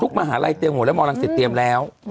ทุกมหาลัยเตรียมมาแล้วหมอกรังสินเตรียมแล้ว